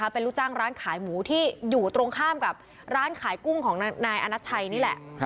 เป็นลูกจ้างร้านขายหมูที่อยู่ตรงข้ามกับร้านขายกุ้งของนายอนัชชัยนี่แหละ